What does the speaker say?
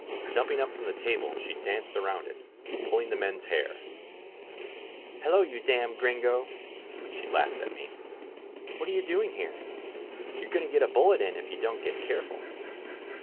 Jumping upi from the table, she danced around it, pulling the men's hair. ^^Hello, you damned Gringo," she laughed at me. "What are you doing here? You're going to get a bullet in you if you don't get careful